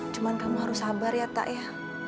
cuma kamu harus sabar ya tak ya